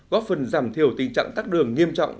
góp phần giảm thiểu tình trạng tắt đường nghiêm trọng